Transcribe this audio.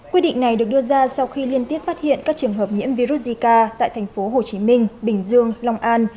quyết định này được đưa ra sau khi liên tiếp phát hiện các trường hợp nhiễm virus zika tại thành phố hồ chí minh bình dương long an